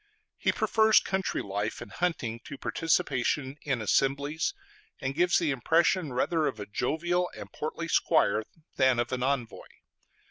He prefers country life and hunting to participation in assemblies, and gives the impression rather of a jovial and portly squire than of an envoy.